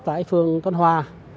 tại phường tân hòa